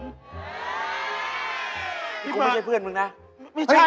พี่เบิร์ดพี่บอกไม่ใช่เพื่อนมึงนะไม่ใช่ครับ